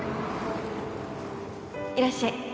いらっしゃい